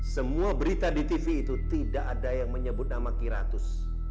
semua berita di tv itu tidak ada yang menyebut nama kiratus